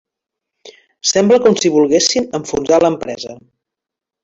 Sembla com si volguessin enfonsar l'empresa.